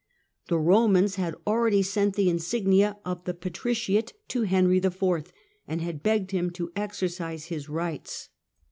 The Romans had already sent the insignia of the patriciate to Henry IV., and had 3gged him to exercise his rights.